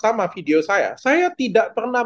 sama video saya saya tidak pernah